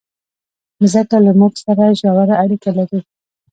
مځکه له موږ سره ژوره اړیکه لري.